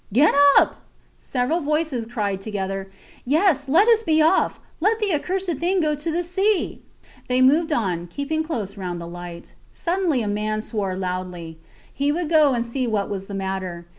Get up! Several voices cried together. Yes, let us be off! Let the accursed thing go to the sea! They moved on, keeping close round the light. Suddenly a man swore loudly. He would go and see what was the matter.